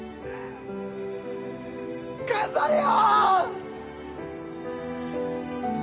頑張れよ！